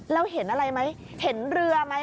แล้วเห็นอะไรไหมเห็นเรือไหม